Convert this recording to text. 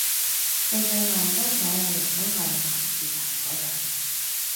到最後，當所有人都向前行嗰陣